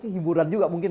bagi juru bicaranya ajudan